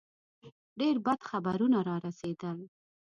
ډېر بد خبرونه را رسېدل.